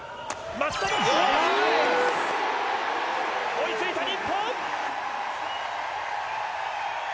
追い付いた日本！